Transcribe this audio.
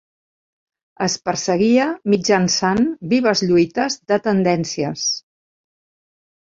Es perseguia mitjançant vives lluites de tendències.